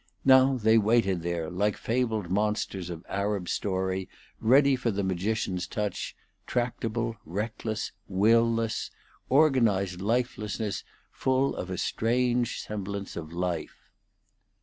Now they waited there like fabled monsters of Arab story ready for the magician's touch, tractable, reckless, will less organized lifelessness full of a strange semblance of life.